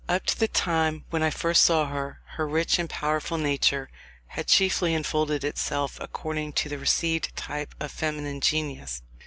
Up to the time when I first saw her, her rich and powerful nature had chiefly unfolded itself according to the received type of feminine genius.